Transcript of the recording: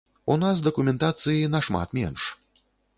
У нас дакументацыі нашмат менш.